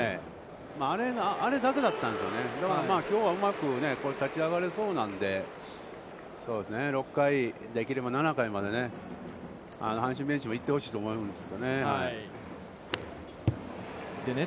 あれだけだったんですよね、きょうはうまく立ち上がれそうなので、６回、できれば７回までね、阪神ベンチも行ってほしいと思ってると思うんですね。